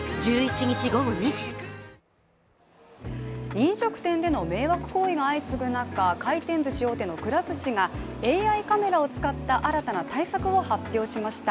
飲食店での迷惑行為が相次ぐ中回転ずし大手のくら寿司がＡＩカメラを使った新たな対策を発表しました。